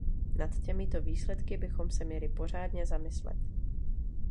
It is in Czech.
Nad těmito výsledky bychom se měli pořádně zamyslet.